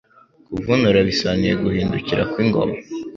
Kuvunura bisobanuye Guhindukira kw'ingoma